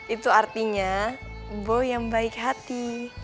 itu artinya bo yang baik hati